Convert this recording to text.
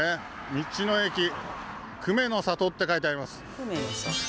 道の駅久米の里って書いてあります。